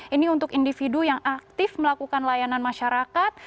ini untuk individu yang aktif melakukan layanan masyarakat